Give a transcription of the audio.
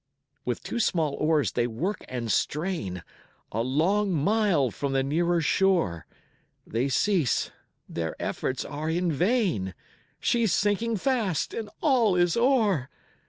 With two small oars they work and strain, A long mile from the nearer shore They cease their efforts are in vain; She's sinking fast, and all is o'er.